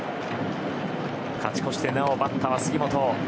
勝ち越してなおバッターは杉本。